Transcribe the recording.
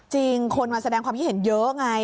จริงคนมาแสดงความคิดเห็นเยอะไง